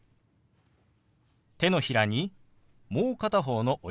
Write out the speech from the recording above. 手のひらにもう片方の親指を当てます。